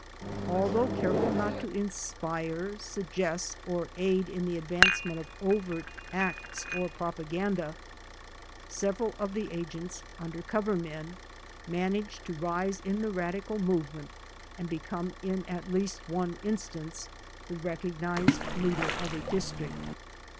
Although careful not to inspire, suggest, or aid in the advancement of overt acts or propaganda, several of the agents, 'under cover* men, managed to rise in the radical movement and become, in at least one instance, the recognized leader of a district."